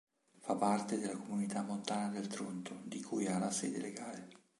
Fa parte della Comunità montana del Tronto, di cui ha la sede legale.